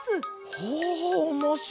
ほうおもしろい！